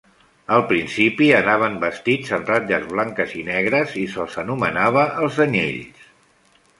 Al principi anaven vestits amb ratlles blanques i negres i se'ls anomenava "els Anyells".